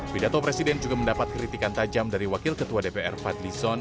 pidato presiden juga mendapat kritikan tajam dari wakil ketua dpr fadlizon